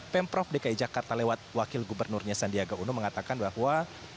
pemprov dki jakarta lewat wakil gubernurnya sandiaga uno mengatakan bahwa